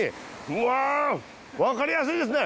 うわぁわかりやすいですね。